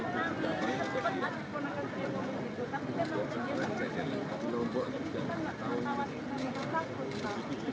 kalau ada tsunami ada apa nak nggak usah nyari